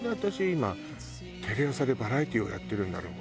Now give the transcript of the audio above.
今テレ朝でバラエティーをやってるんだろう？